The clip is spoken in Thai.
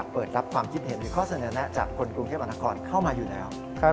เปิดรับความคิดเห็นหรือข้อเสนอแนะจากคนกรุงเทพมหานครเข้ามาอยู่แล้ว